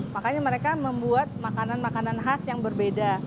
makanya mereka membuat makanan makanan khas yang berbeda